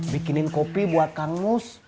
bikinin kopi buat kamus